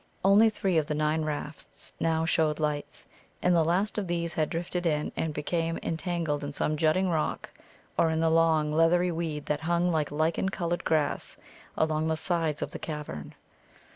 Only three of the nine rafts now showed lights, and the last of these had drifted in, and become entangled in some jutting rock or in the long, leathery weed that hung like lichen coloured grass along the sides of the cavern.